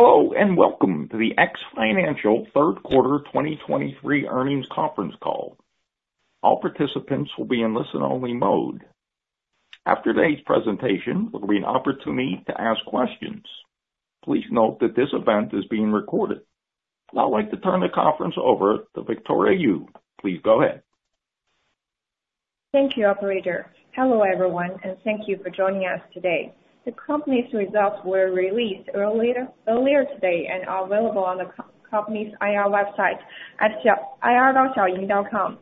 Hello, and welcome to the X Financial third quarter 2023 earnings conference call. All participants will be in listen-only mode. After today's presentation, there will be an opportunity to ask questions. Please note that this event is being recorded. Now, I'd like to turn the conference over to Victoria Yu. Please go ahead. Thank you, operator. Hello, everyone, and thank you for joining us today. The company's results were released earlier today and are available on the company's IR website at ir.xiaoying.com.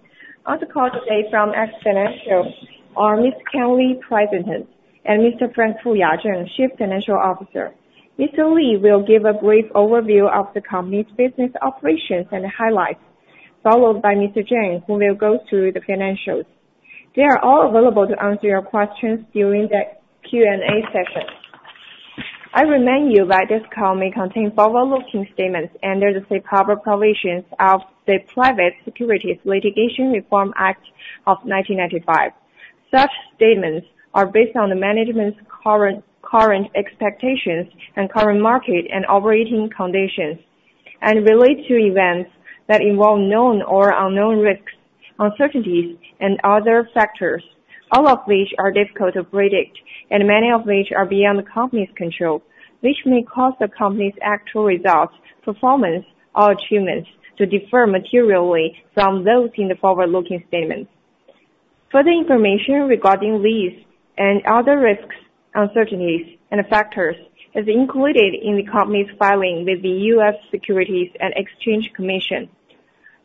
On the call today from X Financial are Mr. Kan Li, President, and Mr. Frank Fuya Zheng, Chief Financial Officer. Mr. Li will give a brief overview of the company's business operations and highlights, followed by Mr. Zheng, who will go through the financials. They are all available to answer your questions during the Q&A session. I remind you that this call may contain forward-looking statements under the safe harbor provisions of the Private Securities Litigation Reform Act of 1995. Such statements are based on the management's current expectations and current market and operating conditions, and relate to events that involve known or unknown risks, uncertainties and other factors, all of which are difficult to predict, and many of which are beyond the company's control, which may cause the company's actual results, performance or achievements to differ materially from those in the forward-looking statements. Further information regarding these and other risks, uncertainties, and factors is included in the company's filing with the U.S. Securities and Exchange Commission.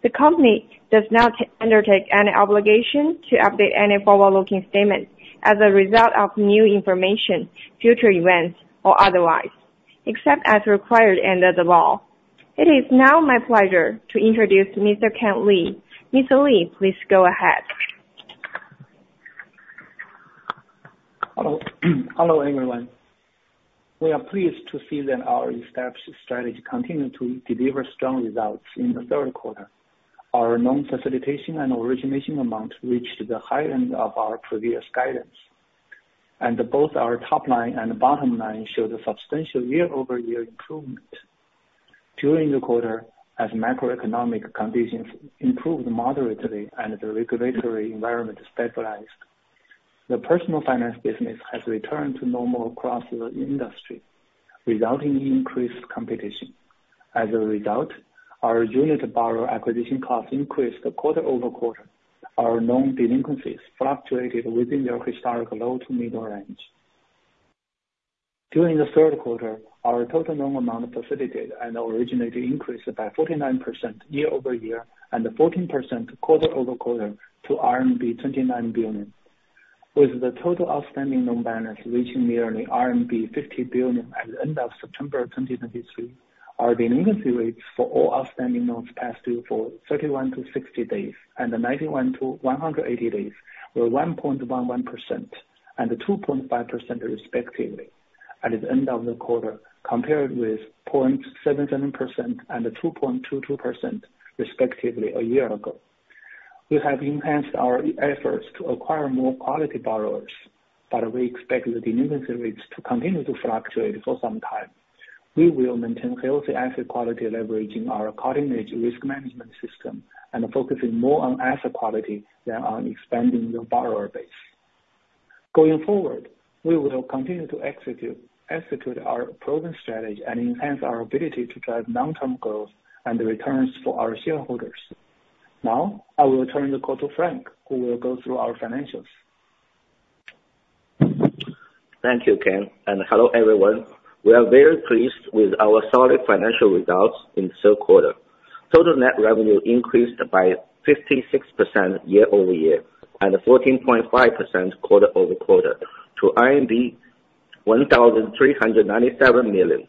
The company does not undertake any obligation to update any forward-looking statements as a result of new information, future events, or otherwise, except as required under the law. It is now my pleasure to introduce Mr. Kan Li. Mr. Li, please go ahead. Hello. Hello, everyone. We are pleased to see that our established strategy continued to deliver strong results in the third quarter. Our loan facilitation and origination amount reached the high end of our previous guidance, and both our top line and bottom line showed a substantial year-over-year improvement. During the quarter, as macroeconomic conditions improved moderately and the regulatory environment stabilized, the personal finance business has returned to normal across the industry, resulting in increased competition. As a result, our unit borrower acquisition costs increased quarter over quarter. Our loan delinquencies fluctuated within their historic low to middle range. During the third quarter, our total loan amount facilitated and originated increased by 49% year-over-year and 14% quarter over quarter to RMB 29 billion, with the total outstanding loan balance reaching nearly RMB 50 billion at the end of September 2023. Our delinquency rates for all outstanding loans past due for 31-60-days, and 91-180 days, were 1.11% and 2.5% respectively at the end of the quarter, compared with 0.77% and 2.22%, respectively, a year ago. We have enhanced our efforts to acquire more quality borrowers, but we expect the delinquency rates to continue to fluctuate for some time. We will maintain healthy asset quality, leveraging our coordinated risk management system and focusing more on asset quality than on expanding the borrower base. Going forward, we will continue to execute, execute our proven strategy and enhance our ability to drive long-term growth and returns for our shareholders. Now, I will turn the call to Frank, who will go through our financials. Thank you, Kan, and hello, everyone. We are very pleased with our solid financial results in the third quarter. Total net revenue increased by 56% year-over-year, and 14.5% quarter-over-quarter to RMB 1,397 million,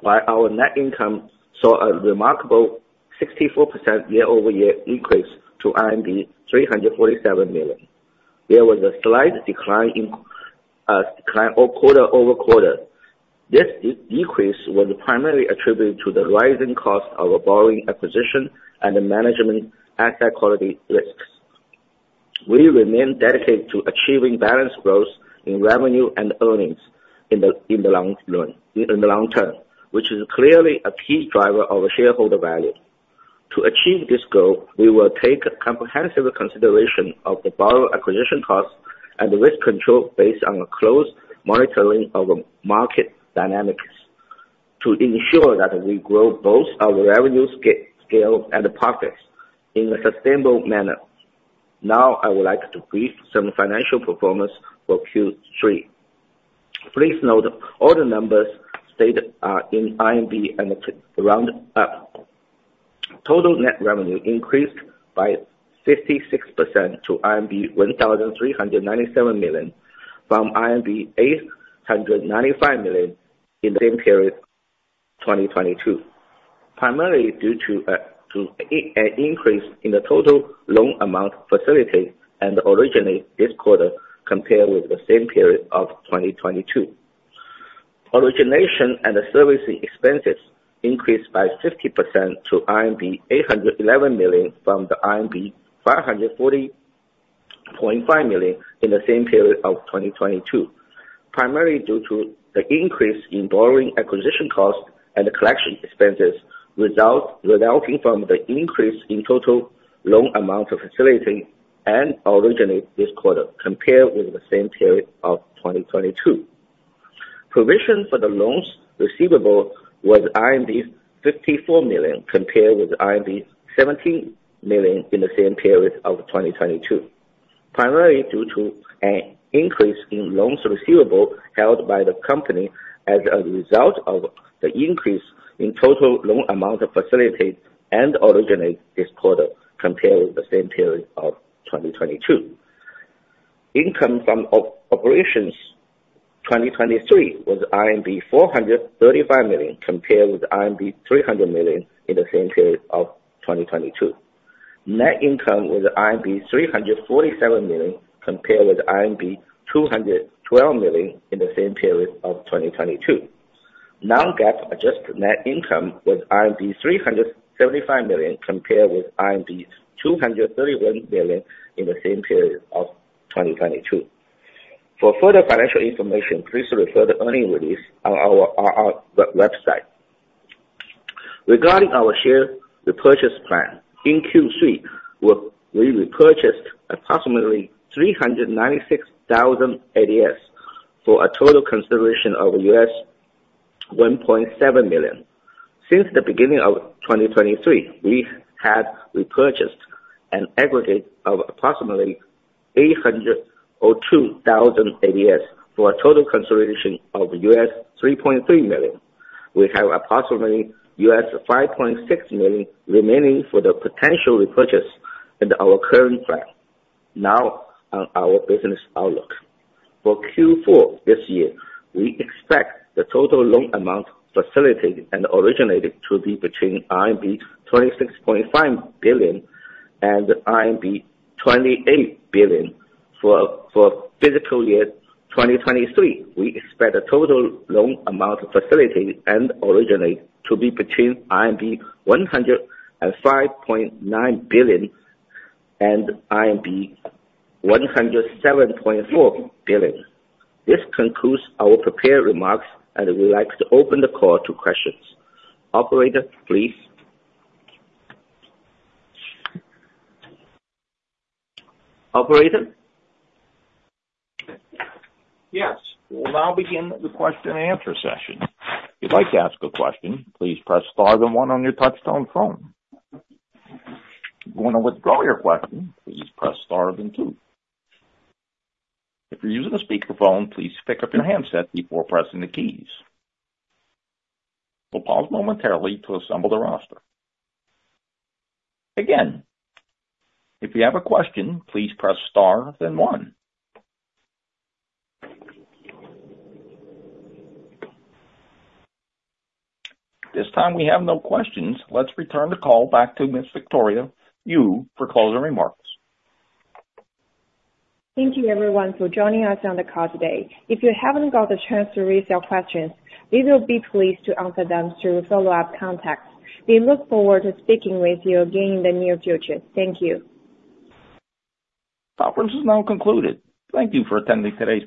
while our net income saw a remarkable 64% year-over-year increase to RMB 347 million. There was a slight decline in, decline of quarter-over-quarter. This decrease was primarily attributed to the rising cost of borrower acquisition and management asset quality risks. We remain dedicated to achieving balanced growth in revenue and earnings in the, in the long run, in the long term, which is clearly a key driver of shareholder value. To achieve this goal, we will take a comprehensive consideration of the borrower acquisition costs and risk control based on a close monitoring of the market dynamics to ensure that we grow both our revenue scale and profits in a sustainable manner. Now, I would like to brief some financial performance for Q3. Please note all the numbers stated are in RMB and rounded up. Total net revenue increased by 56% to RMB 1,397 million, from RMB 895 million in the same period 2022, primarily due to an increase in the total loan amount facilitated and originated this quarter compared with the same period of 2022. Origination and servicing expenses increased by 50% to RMB 811 million from the RMB 549.5 million 0.5 million in the same period of 2022, primarily due to the increase in borrower acquisition costs and the collection expenses, resulting from the increase in total loan amount facilitated and originated this quarter compared with the same period of 2022. Provision for the loans receivable was 54 million, compared with 17 million in the same period of 2022, primarily due to an increase in loans receivable held by the company as a result of the increase in total loan amount facilitated and originated this quarter compared with the same period of 2022. Income from operations 2023 was RMB 435 million, compared with RMB 300 million in the same period of 2022. Net income was RMB 347 million, compared with RMB 212 million in the same period of 2022. Non-GAAP adjusted net income was RMB 375 million, compared with RMB 231 million in the same period of 2022. For further financial information, please refer to the earnings release on our website. Regarding our share repurchase plan, in Q3, we repurchased approximately 396,000 ADSs for a total consideration of $1.7 million. Since the beginning of 2023, we have repurchased an aggregate of approximately 802,000 ADSs for a total consideration of $3.3 million. We have approximately $5.6 million remaining for the potential repurchase under our current plan. Now, on our business outlook. For Q4 this year, we expect the total loan amount facilitated and originated to be between RMB 26.5 billion and RMB 28 billion. For fiscal year 2023, we expect the total loan amount facilitated and originated to be between RMB 105.9 billion and RMB 107.4 billion. This concludes our prepared remarks, and we'd like to open the call to questions. Operator, please? Operator? Yes. We'll now begin the question and answer session. If you'd like to ask a question, please press star then one on your touchtone phone. If you want to withdraw your question, please press star then two. If you're using a speakerphone, please pick up your handset before pressing the keys. We'll pause momentarily to assemble the roster. Again, if you have a question, please press star, then one. At this time, we have no questions. Let's return the call back to Miss Victoria Yu for closing remarks. Thank you, everyone, for joining us on the call today. If you haven't got the chance to raise your questions, we will be pleased to answer them through follow-up contacts. We look forward to speaking with you again in the near future. Thank you. Conference is now concluded. Thank you for attending today's call.